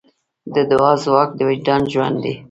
د دعا ځواک د وجدان ژوند دی.